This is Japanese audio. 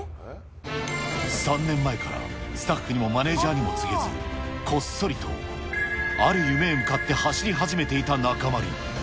３年前からスタッフにもマネージャーにも告げず、こっそりとある夢へ向かって走り始めていた中丸。